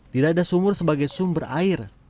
tidak ada sumur sebagai sumber air